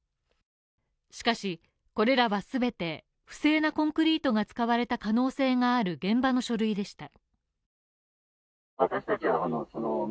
しかし、これらは全て、不正なコンクリートが使われた可能性がある現場の書類でした。